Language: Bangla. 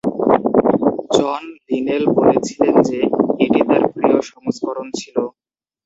জন লিনেল বলেছিলেন যে, এটি তার প্রিয় সংস্করণ ছিল।